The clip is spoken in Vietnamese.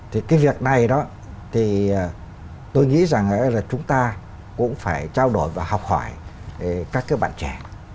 thì cái việc này đó thì tôi nghĩ rằng là chúng ta cũng phải trao đổi và học hỏi các cái bạn trẻ